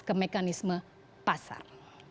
ke mekanisme pasar